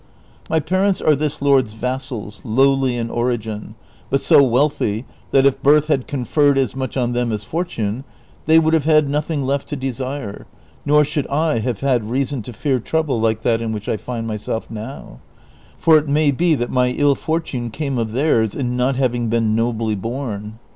M}' pai ents are this lord's vassals, lowly in origin, but so wealthy that if birth had conferred as much on them as fortune, they would have had notliing left to desire, nor should I have had reason to fear trouble like that in which I find myself now; for it may be that my ill Ibrtune came of theirs in not having been nobly born.